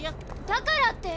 だからって。